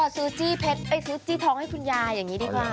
ซื้อจี้ท้องให้คุณยายอย่างนี้ดีกว่า